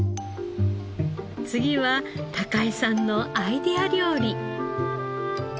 次は孝枝さんのアイデア料理。